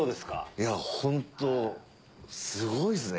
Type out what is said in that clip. いやホントすごいっすね。